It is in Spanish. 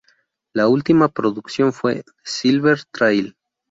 La última producción fue "The Silver Trail".